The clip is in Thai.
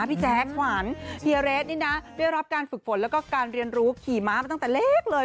แจ๊คขวัญเฮียเรสนี่นะได้รับการฝึกฝนแล้วก็การเรียนรู้ขี่ม้ามาตั้งแต่เล็กเลย